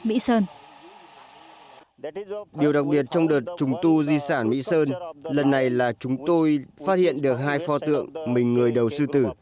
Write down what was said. điều đặc biệt trong đợt trùng tu di sản mỹ sơn lần này là chúng tôi phát hiện được hai pho tượng mình người đầu sư tử